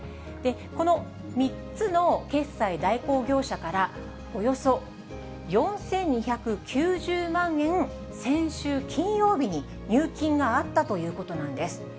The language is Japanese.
この３つの決済代行業者から、およそ４２９０万円、先週金曜日に入金があったということなんです。